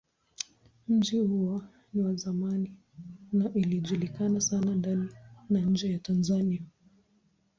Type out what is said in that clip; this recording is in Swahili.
Mji huo ni wa zamani na ilijulikana sana ndani na nje ya Tanzania.